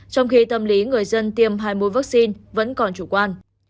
trong khi tâm lý người dân tiêm hai mũi vaccine vẫn còn chủ quan